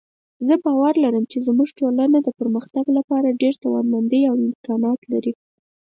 زه باور لرم چې زموږ ټولنه د پرمختګ لپاره ډېره توانمندۍ او امکانات لري